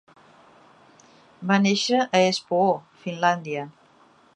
Va néixer a Espoo, Finlàndia.